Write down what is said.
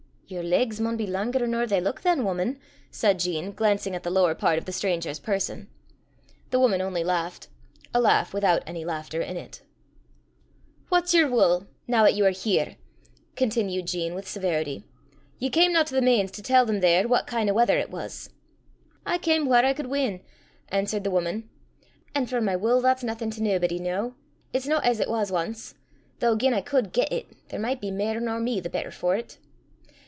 "Yer legs maun be langer nor they luik than, wuman," said Jean, glancing at the lower part of the stranger's person. The woman only laughed a laugh without any laughter in it. "What's yer wull, noo 'at ye are here?" continued Jean with severity. "Ye camna to the Mains to tell them there what kin' o' wather it wis!" "I cam whaur I cud win," answered the woman; "an' for my wull, that's naething to naebody noo it's no as it was ance though, gien I cud get it, there micht be mair nor me the better for 't.